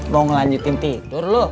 mau ngelanjutin tidur lo